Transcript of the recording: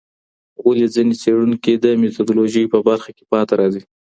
ولي ځیني څېړونکي د میتودولوژۍ په برخه کي پاتې راځي؟